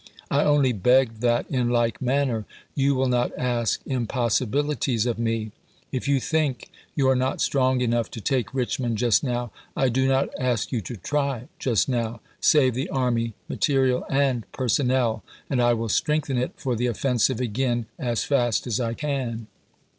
I only beg that, in like manner, you will not ask impossi bilities of me. If you think you are not strong enough to take Richmond just now, I do not ask you to try just M^cTeWn, now. Save the army, material, and personnel, and I will "^"^w"'r^^^" strengthen it for the offensive again as fast as I can.